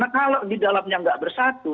kalau di dalamnya nggak bersatu